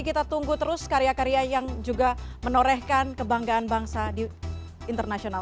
kita tunggu terus karya karya yang juga menorehkan kebanggaan bangsa di internasional